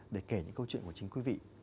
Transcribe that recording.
để kể những câu chuyện của chính quý vị